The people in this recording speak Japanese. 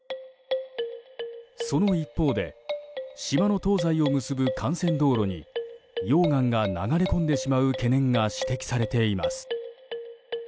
その一方で島の東西を結ぶ幹線道路に溶岩が流れ込んでしまう懸念が指摘されています。